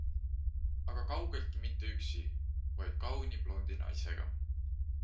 Aga kaugeltki mitte üksi, vaid kauni blondi naisega.